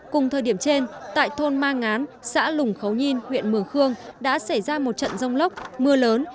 cùng thời điểm trên tại thôn ma ngán xã lùng khấu nhin huyện mường khương đã xảy ra một trận rông lốc mưa lớn